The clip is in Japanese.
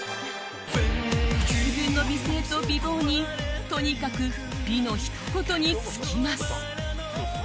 抜群の美声と美貌にとにかく美のひと言に尽きます。